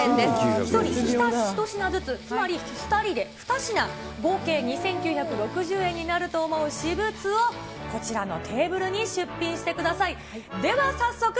１人１品ずつ、つまり２人で２品、合計２９６０円になると思う私物をこちらのテーブルに出品してください。